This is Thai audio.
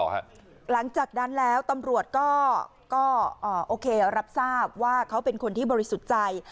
หลังจากนั้นแล้วตำรวจก็โอเครับทราบว่าเขาเป็นคนที่บริสุทธิ์ใจ